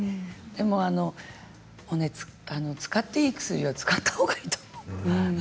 でも使っていい薬は使ったほうがいいと思う。